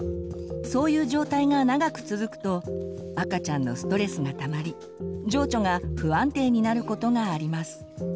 そういう状態が長く続くと赤ちゃんのストレスがたまり情緒が不安定になることがあります。